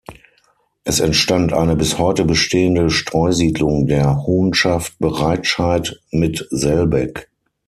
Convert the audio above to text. Es entstand eine bis heute bestehende Streusiedlung der Honschaft Breitscheid mit Selbeck.